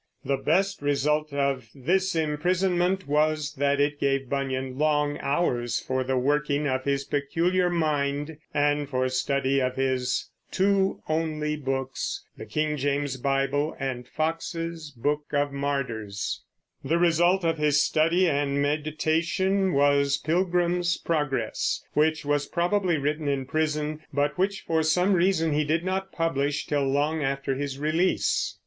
The best result of this imprisonment was that it gave Bunyan long hours for the working of his peculiar mind and for study of his two only books, the King James Bible and Foxe's Book of Martyrs. The result of his study and meditation was The Pilgrim's Progress, which was probably written in prison, but which for some reason he did not publish till long after his release.